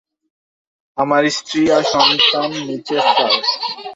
আমার স্ত্রী আর সন্তান নিচে, স্যার।